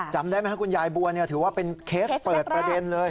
จำได้ไหมครับคุณยายบัวถือว่าเป็นเคสเปิดประเด็นเลย